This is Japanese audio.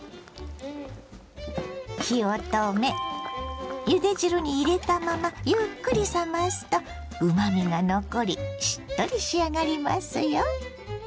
火を止めゆで汁に入れたままゆっくり冷ますとうまみが残りしっとり仕上がりますよ。